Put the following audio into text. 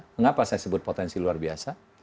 mengapa saya sebut potensi luar biasa